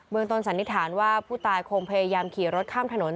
เมืองต้นสันนิษฐานว่าผู้ตายคงพยายามขี่รถข้ามถนน